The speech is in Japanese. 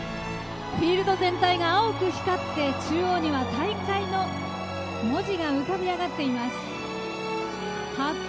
フィールド全体が青く光って中央には大会の文字が浮かび上がっています。